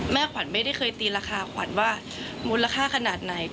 แม่ขวัญไม่เคยโดนตรีราคาขวัญว่ามูลราคาขนาดไหน